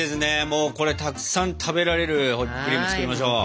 もうこれたくさん食べられるホイップクリーム作りましょう。